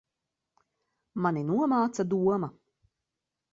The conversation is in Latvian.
Mani nomāca doma.